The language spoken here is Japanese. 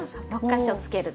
６か所。